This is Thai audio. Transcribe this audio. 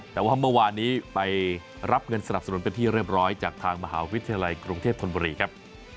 แต่ว่าเมื่อวานนี้ไปรับเงินสนับสนุนเป็นที่เรียบร้อยจากทางมหาวิทยาลัยกรุงเทพธนบุรีครับ